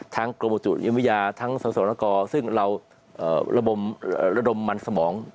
ทั้งกรมจุฬิมวิญญาทั้งสวรรค์ซึ่งเราระดมมันสมอง